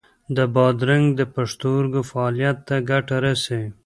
د بادرنګ د پښتورګو فعالیت ته ګټه رسوي.